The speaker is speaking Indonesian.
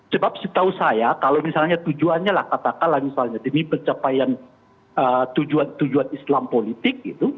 sebab setahu saya kalau misalnya tujuannya lah katakanlah misalnya demi pencapaian tujuan tujuan islam politik gitu